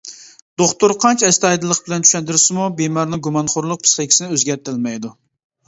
دوختۇر قانچە ئەستايىدىللىق بىلەن چۈشەندۈرسىمۇ بىمارنىڭ گۇمانخورلۇق پىسخىكىسىنى ئۆزگەرتەلمەيدۇ.